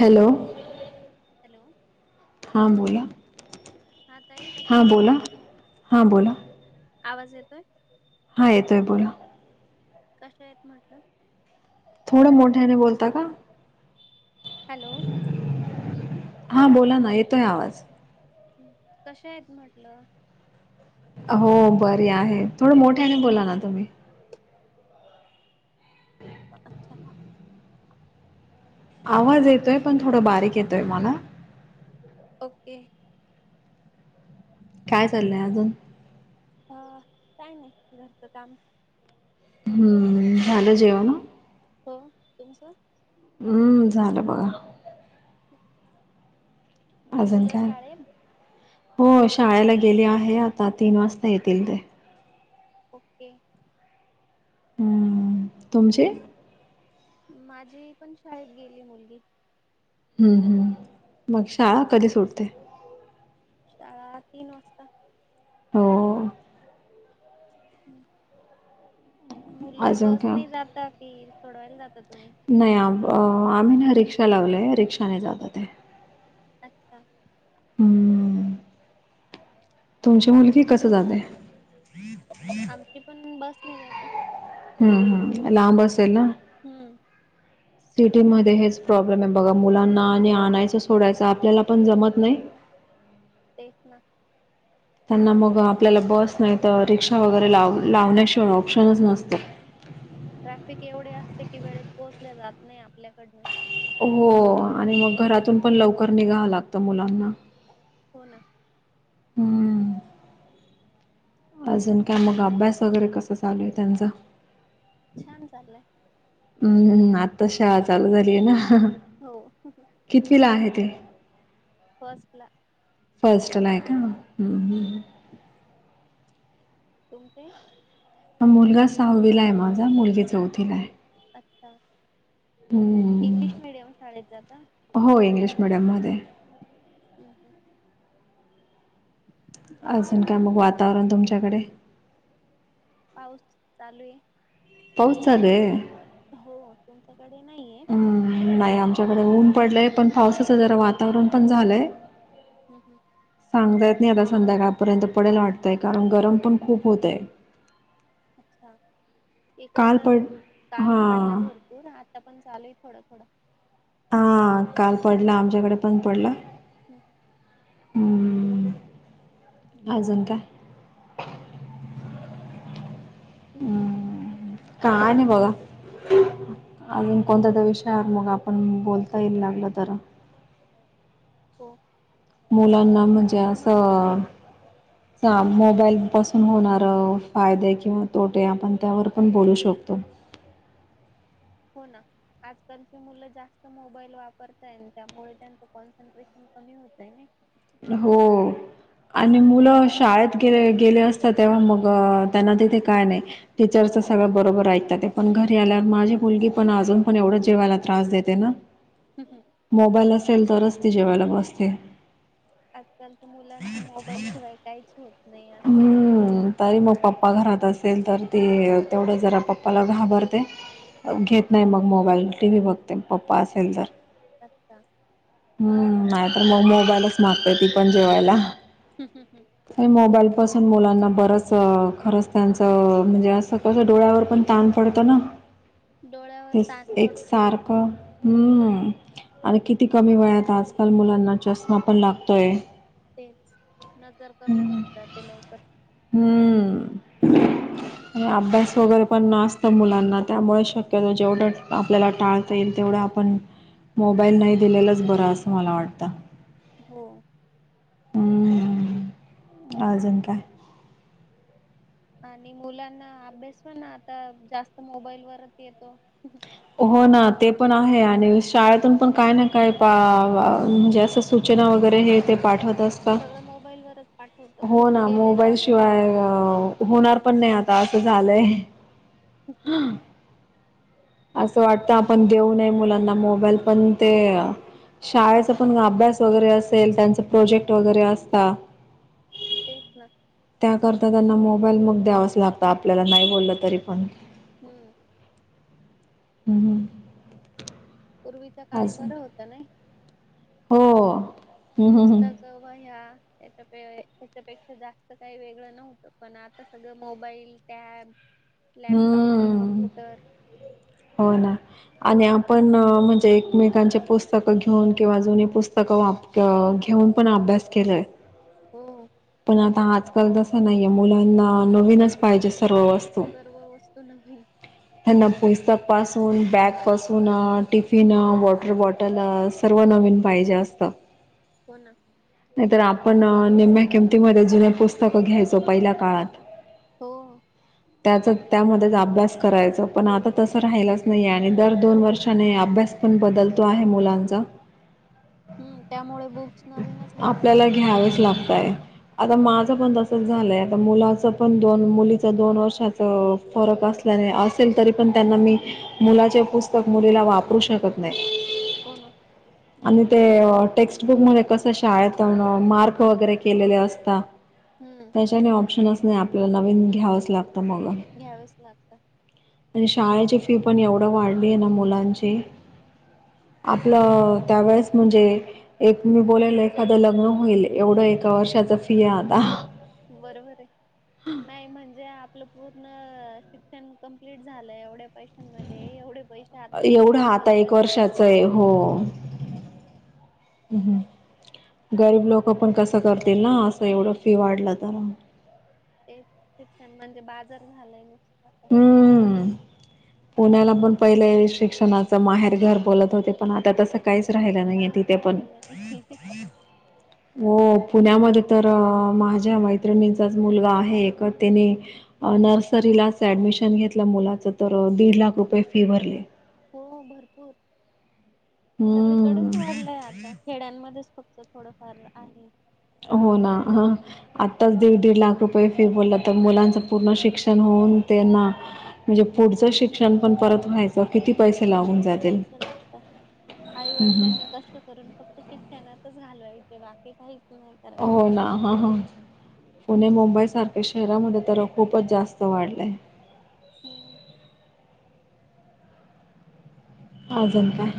Hello. Hello हा बोला. हा ताई कशा हा आहेत बोला, हा बोला. आवाज येतोय? हा येतोय बोला. कशा आहेत म्हटलं? थोड मोठ्याने बोलता का? हॅलो. हा बोला ना येतोय आवाज. कशा आहेत म्हटलं? हो बरी आहे. थोडं मोठ्याने बोला ना तुम्ही. अच्छा आवाज येतोय पण थोडं बारीक येतोय मला. ओके. काय चालंय अजून.? ह काय नाही घरचं काम. हम्म. झाल जेवन. झाल. तुमचं? हम्म झालं बघा. अजून मुलं काय शाळेत हो शाळेला गेली आहे आता. तीन वाजता येतील ते. ओके. हम्म तुमची? माझी पण शाळेत गेली मुलगी. हम्म. हम्म. मग शाळा कधी सुटते? शाळा तीन वाजता. हो. मुलं अजून काय बसनी जातात. कि सोडवायला जाता. तुम्ही नाही आम आम्ही ना रिक्षा लावलेय. रिक्षाने जातात ते. अच्छा. हम्म तुमची मुलगी कस जाते? बस ने जाते. हम्म. हम्म. लांबस असेल ना. हम्म. सिटीमध्ये हेच प्रॉब्लेमे बघा. मुलांना आणि आणायचं सोडायचं आपल्याला पण जमत नाही. तेच ना. त्यांना मग आपल्याला बस नाही तर. रिक्षा वगैरे लाव लावण्याशिवाय ऑप्शनच नसत. ट्रॅफिक एवढे असते कि. वेळेत पोहोचल्या जात नाही आपल्याकडनं. हो आणि मग घरातून पण लवकर निघावं लागत मुलांना. हो ना. हम्म. अजून काय मग अभ्यास वगैरे कसा चालूय त्यांचा? छान चालाय. हम्म. हम्म. आताच शाळा चालू झालीय ना. हो. कितवीला आहे ते. फस्टला. फस्टलाय का? हम्म. हम्म. तुमचे? ह मुलगा सहावीलाय माझा मुलगी चौथीलाय. अच्छा हम्म इंग्लिश मिडियम शाळेत जातात. ते. हम्म- हम्म. अजून काय मग वातावरण तुमच्याकडे.? पाऊस चालूये. पाऊस चालूये? हो तुमच्याकडे. नाहीये हम्म नाही आमच्याकडे ऊन पडलंय. पण पावसाचं जरा वातावरण पण झालंय. हम्म- हम्म. सांगता येत नाही आता संध्याकाळपर्यंत पडेला वाटतय. कारण गरम पण खूप होतय. अच्छा इकडे काल तर. पड काल पडला हां भरपूर आता पण चालूये, थोडा -थोडा. हा काल पडला. आमच्याकडे पण पडला. हम. अजून काय? हम्म. काय नाही बघा. अजून कोणता तर विषयावर मग आपण बोलता येईल लागल तर. हो. अ मुलांना म्हणजे तुम्हाला असं. मोबाईल पासून होणार फायदे. किंवा तोटे. आपण त्यावर पण बोलू शकतो. [unintelligible] हो ना आजकालचे मुलं. जास्त मोबाईल वापरताय त्यामुळे त्यांच कॉन्सन्ट्रेशन कमी होत आहे नई. हो. आणि मुलं शाळेत गे गेले असतात. तेव्हा मग त्यांना तिथे काय नाही टीचर्स सगळं बरोबर ऐकतात. पण घरी आल्यावर माझी मुलगी पण अजून पण एवढंच जेवायला त्रास देते ना. हम्म. मोबाईल असेल तरच ती जेवायला बसते. आजकालच्या मुलांचं मोबाईल शिवाय काहीच होत नाही. असं झालंय हम्म तरी मग पप्पा घरात असतात. असेल तर ती तेवढं जरा पप्पाला घाबरते. हम्म. घेत नाही मग मोबाईल. टी व्ही बघते. पप्पा असेल तर अच्छा. हम्म नाहीतर मग मोबाईलच मागतेय ती पण जेवायला. हम्म, हम्म, हम्म. मोबाईल पासून मुलांना बरच खरंच त्यांचं म्हणजे असं कस डोळ्यावर पण ताण पडतं ना. डोळ्यावर ते ताण एक पडतो सारखं हम्म. आणि किती कमी वेळात. आजकाल मुलांना चष्मा पण लागतोय तेच नजर कमी होतात. ते लवकर. हम्म. [unintelligible] अभ्यास वगैरे पण आसत मुलांना. त्यामुळे शक्यतो जेवढं आपल्याला टाळता येइल. तेवढा आपण मोबाईल नाही दिलेलाच बरं असं मला वाटत. हो. हम्म अजून काय? आणि मुलांना अभ्यास पण आता. जास्त मोबाईल वरच येतो. हो ना. ते पण आहे. आणि शाळेतून पण काय ना काय म्हणजे असं सूचना वगैरे. हे ते पाठवत तेच तर. सगळं मोबाईल वरच पाठवतं हो ग्रुप ना केलेले मोबाईल असता शिवाय व्हॉट्सअप होणार पण नाही. आता असं झालंय. [unintelligible] असं ते वाटतं आपण देऊ नये मुलांना मोबाईल पण ते. शाळेचा पण अभ्यास वगैरे असेल. त्यांचा प्रोजेक्ट वगैरे असत. तेच ना. त्याकरता त्यांना मोबाईल मग द्यावाच लागतं. आपल्याला नाही बोललं तरी पण. हम्म. हम्म. हम्म. पूर्वीच काळी बरं होतं नाही. हो हम्म हम्म पुस्तक व वह्या. त्याच्या त्याच्यापेक्षा जास्त काही वेगळं नव्हतं. पण आता सगळं मोबाईल टॅब. हम्म लॅपटॉप, हम्म कम्प्युटर. हो ना आणि आपण म्हणजे एकमेकांचे पुस्तकं घेऊन किंवा जुनी पुस्तकं वाप किंवा घे घेऊन पण अभ्यास केलाय. हो पण आता आजकाल जस नाहीये. मुलांना नवीनच पाहिजे असतं. सर्व वस्तू नवीन त्यांना पुस्तक पासून बॅग पासून टिफिन वॉटर बॉटल सर्व न नवीन पाहिजे असत हो ना नाही तर आपण निमम्या किमतीमध्ये जुन पुस्तकं घ्यायचो पहिल्या काळात हो त्याचा त्यामध्येच अभ्यास करायचं पण आता तसं राहिलाच नाही आहे आणि दर दोन वर्षाने अभ्यास पण बदलतो आहे मुलांचा [unintelligible] हम्म त्यामुळे बुक्स नवीनच घ्यावे आपल्याला लागतात घ्यावेच लागतय आता हम्म, माझं पण तस झालय आ मुलाच पण दोन मुलीच दोन वर्षाचा फरक अस असेल तरी पण त्यांना मी मुलाचे पुस्तक मुलीला वापरू शकत नाही हो ना आणि ते टेक्स्टबुक मध्ये कस शाळेत मार्क वगैरे केलेले असतात हम्म त्याच्याने ऑप्शनच नाही आपल्याला नवीन घ्यावंच लागत घ्यावच लागत आणि शाळेची फी पण एवढं वाढली आहे ना मुलांची [unintelligible] आपलं त्यावेेळेस म्हणजे एक मी बोलाला एखादं लग्न होईल एवढं एक ए वर्षाचा फीया आता बरोबर आहे. नाही म्हणजे आपलं पूर्ण शिक्षण कंप्लीट झालंय एवढ्या पैशांमध्ये एवढे पैसे आता एवढा पहिलीच्या आता एक वर्गाला द्यावे वर्षाच आहे लागते. हो हम् हमम गरीब लोक पण कसं करतील ना असं एवढं फी वाढलं तर ते शिकण म्हणजे बाजार झालंय ना हम्म पुण्याला पण पहिले शिक्षणाच माहेर घर बोलत होते पण आता तसं काहीच राहिला नाहीे काहीच तिथे पण राहिलं नाही. हो पुण्यामध्ये तर माझ्या मैत्रिणींचाच मुलगा आहे एक त्यांनी नर्सरीलाच ऍडमिशन घेतलं मुलाचं तर दीड लाख रुपये फी भरले हो भरपूर सगळीकडेच हम्म वाढलंय आता खेड्यांमध्येच फक्त थोडंफार आहे हो ना ह आत्ताच दीड दीड लाख रुपये फिर बोलला तर मुलांचं पूर्ण शिक्षण हो म्हणज पुढ शिक्षण पण परत व्हायच कि किती पैसे लागतात हम्म आईवडिलांनी कष्ट करून फक्त शिक्षणातच घालवायचे बाकीे काही हो ना ह ह पुणे मुंबईसारख्या शहरामध्ये तर खूपच जास्त वाढलंय हम्म अजून काय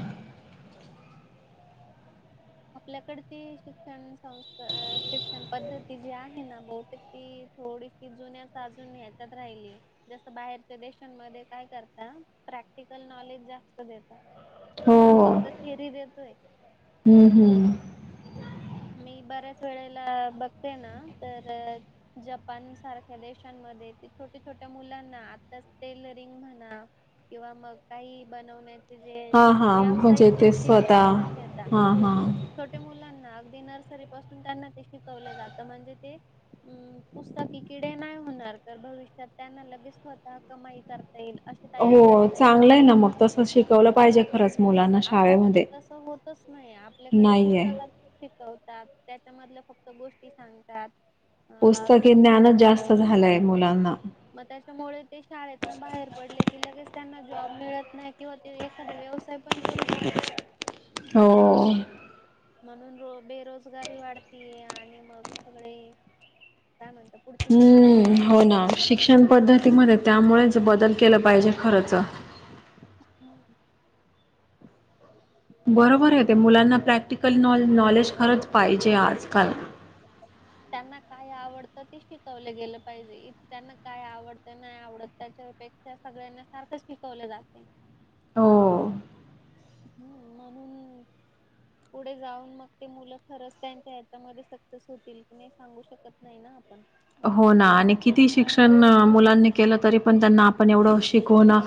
आपल्याकडची शिक्षण संस्था शिक्षण पद्धती जी आहे ना बहुतेक ती थोडीशी जुन्या अजून ह्याच्यात राहिली जस बाहेरच्या देशांमध्ये काय करता प्रॅक्टिकल नॉलेज जास्त द हो आपण फक्त थिअरी देतोय होम मी बऱ्याच वेळेला बघते ना तर जपान सारख्या देशांमध्ये छोट्या छोट्या मुलांना आताच टेलरिंग म्हणा किंवा मग काही बनवण्या हा हा म्हणजे ते स्वतः शिक्षण देता हा हा छोट्या मुलांना अगदी नर्सरी पासून त्यांना ते शिकवलं जात म्हणजे ते पुस्तकी किडे नाही होणार भविष्यात त्यांना ले स्वतः कमा कर हो चांगलं आहे ना मग तस शिकवलं पाहिजे खरंच मुलांना शाळेमध्ये हो नाही आपल्याकडे नाहीये पुस्तकातिकत त्याच्या मधले फक्त गोष्टी सांगतात अ पुस्तके ज्ञानच जास्त झालंय मुलांना मुळे ते शाळेतन बाहेर पडले की लगेच त्यांना जॉब मिळत नाही किंवा ते एखाद्या व्यवसाय पण करू शकत नाही हो म्हणून र बेरोजगारी वाढतीय आणि मग सगळे काय म्हणत पुढची पिढी हम्म हो ना शिक्षण पद्धतीमध्ये त्यामुळेच बदल केला पाहिजे खरच बरोबर आहे ते मुलांना प्रॅक्टिकल नॉलेज खरंच पाहिजे आजकाल त्यांना काय आवडत ते शिकवलं गेलं पाहिजे त्यांना काय आवडत नाही आवडत त्या सगळ्यांना सारखंच शिकवले जाते हो हम् म्हणून पुढे जाऊन मग ते मुलं खरंच त्यांच्या हतामध्ये सक्सेस होतील कि नाही सांगू शकत नाही ना आपण हो ना आणि किती शिक्षण मुलांनी केलं तरी पण त्यांना आपण एवढं शिकवणं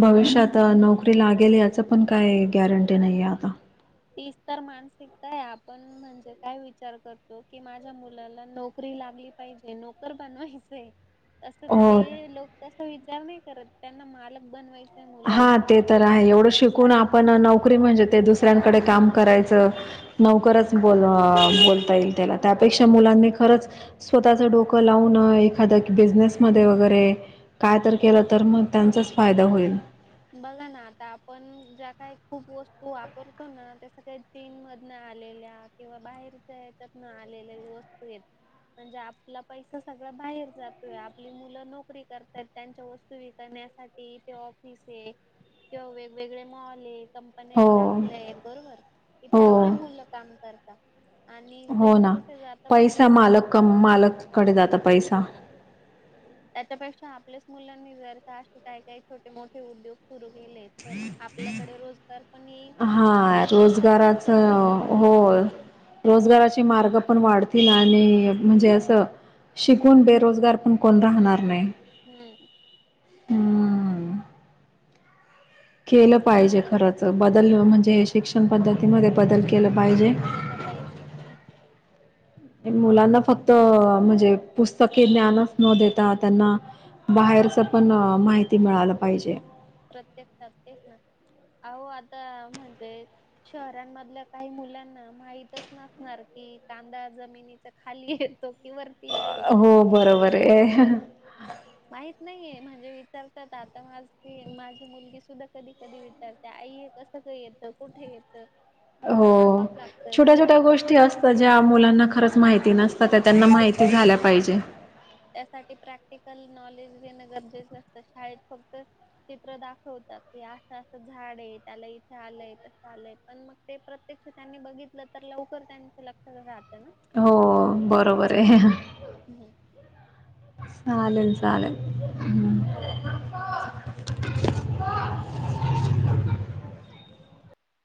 भविष्यात नोकरी लागेल याचं पण काय गॅरंटी नाही आहे आता मान आपण म्हणजे काय विचार करतो क माझ्या मु नोकरी लाली पाहिजे नोकर बनवायचंय असं हो. ते लोक त विचार नाही करत त्यांना मालक बनवायचे हा ते तर आहे एवढं शिकून आपण नोकरी म्हणजे शिक्षण ते दुसऱ्यां हम्म कडे काम करायचं लवकरच बोल बोलता येईल बरोबर त्याला ना त्यापेक्षा मुलांनी खरंच स्वतःचं डोकं लावून एखाद बिझनेस मध्ये वगैरे काय तर केलं तर मग त्यांचाच फायदा होईल बघा ना आता आपण ज्या काही खूप वस्तू वापरतो ना त्या सग्या चीन मध आलेल्या किंवा बाहेरच्या याच्यात ना आलेली वस्तू आहेत म्हणजे आपला पैसा सगळ बाहेर जातोय आपली मुलं नोकरी करतय त्यांच्या वस्तू विक ऑफिस आहे किंवा वेगवेगळे मॉल आहे कंपन्या हो, टाकल्या आहेत बरोबर इथे आपली हो. मुलं काम करता आणि हो पैसे ना कुठे जाता बाहेर पैसा मालक मालककडे जात पैसा त्याच्यापेक्षा आपल्याच मुलांनी जर का असे काय काही छोटे मोठे उद्योग सुरू केले तर आपल्याकडे रोजगार पण येईल हा आणि पैसा पण आपल्याच रोजगाराचं देशात हो राहील रोजगाराचे मार्ग पण वाढत तिला आणि म्हणजे असं शिकून बेरोजगार पण कोण राहणार नाही हम्म हम केलं पाहिजे खरच बदल म्हणजे शिक्षण पद्धतीमध्ये बदल केलं पाहिजे बदल केला पाहिजे मुलांना फक्त म्हणजे पुस्तके ज्ानच न देता त्यांना बाहेर पण माहिती मिळालं पाहिजे प्रत्येकात तेच ना अहो आता म्हणजे शहरांमधल्या काही मुलांना माहितच नसणार की कांदा जमिनीचा खाली येतो कि येतो. हो बरोबर आहे माहित नाहीये म्हणजे विचारतात आता माझ माझी मुलगी सुद्धा कधी कधी विचारते आये कसं का येतं कुठे येतं हो ते सांगावं लागतं छोट्या किंवा छोट्या मग गोष्टी असतात ज्या मुलांना खरंच माहिती नसतात त्या त्यांना हम्म माहिती झाल्या पाहिजे ते त्यासाठी प्रॅक्टिकल नॉलेज देण गरजेचं असतं. शाळेत फक्त चित्र दाखव त की आसं आसं झाड आहे. त्याला इथं आलंय, तसं आलंय पण, मग ते प्रत्यक्ष त्यांनी बघितलं तर लवकर त्यांच लक्षात राहतं न. हो बरोबर आहे. हम्म. चालेल चालेल. हो.